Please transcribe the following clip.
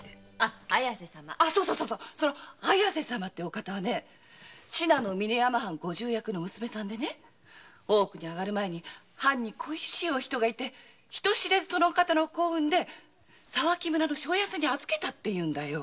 方は信濃峰山藩ご重役の娘さんで大奥に上がる前に藩に恋しい人がいて人知れずお子を産んで沢木村の庄屋さんに預けたって言うんだよ。